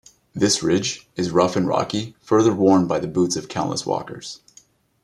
This ridge is rough and rocky, further worn by the boots of countless walkers.